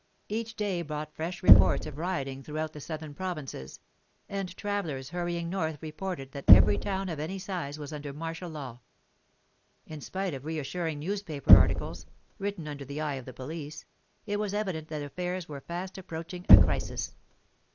Each day brought fresh reports of rioting throughout the southern provinces, and travellers hurrying north reported that every town of any size was under martial law. In spite of reassuring newspaper articles, written under the eye of the police, it was evident that affairs were fast approaching a crisis.